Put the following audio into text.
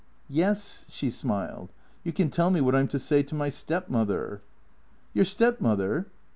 " Yes." She smiled. " You can tell me what I 'm to say to my stepmother." "Your stepmother?"